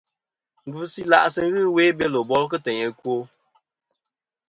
Ngvɨsɨ ila' sɨ ghɨ ɨwe i Belo bol kɨ teyn ɨkwo.